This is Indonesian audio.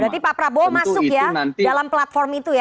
berarti pak prabowo masuk ya dalam platform itu ya